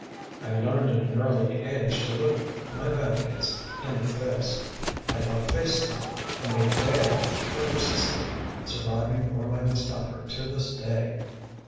I learned at an early age to look my vanities in the face; I outfaced them and they quailed, but persisted, surviving for my discomfort to this day.